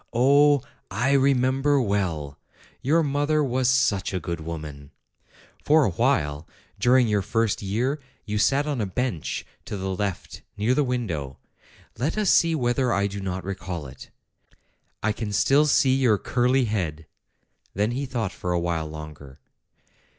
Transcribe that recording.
"Oh ! I remember well ! Your mother was such a good woman ! For a while, during MY FATHER'S TEACHER 223 your first year, you sat on a bench to the left near the window. Let us see whether I do not recall it. I can still see your curly head." Then he thought for a while longer.